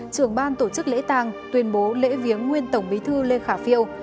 trưởng ban tổ chức lễ tàng tuyên bố lễ viếng nguyên tổng bí thư lê khả phiêu